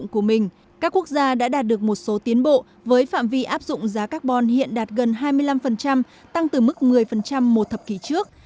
các quốc gia đã đạt được một số tiến bộ với phạm vi áp dụng giá carbon hiện đạt gần hai mươi năm tăng từ mức một mươi một thập kỷ trước